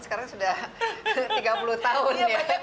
sekarang sudah tiga puluh tahun ya